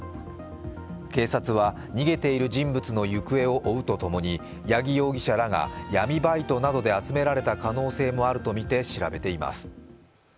警察は逃げている人物の行方を追うとともに八木容疑者らが闇バイトなどで集められた可能性もあるとみて調べています。